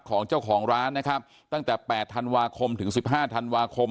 ของเจ้าของร้านนะครับตั้งแต่๘๑๕ธันวาคม